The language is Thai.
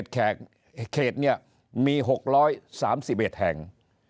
เขตเนี่ยมี๖๓๑แห่ง